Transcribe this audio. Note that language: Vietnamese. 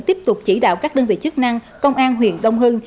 tiếp tục chỉ đạo các đơn vị chức năng công an huyện đông hưng